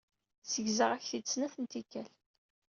Segzaɣ-ak-t-id snat n tikkal.